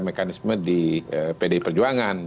mekanisme di pd perjuangan